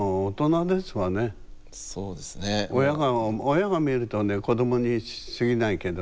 親が見るとね子どもに過ぎないけど。